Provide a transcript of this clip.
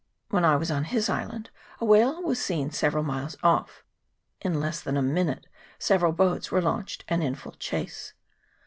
When I was on his island a whale was seen several miles off: in less than a minute several boats were launched and in full chase.